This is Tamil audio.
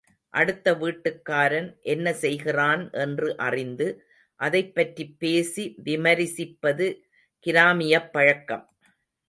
அடுத்த வீட்டுக்காரன் என்ன செய்கிறான் என்று அறிந்து, அதைப் பற்றிப் பேசி விமரிசிப்பது கிராமியப் பழக்கம்.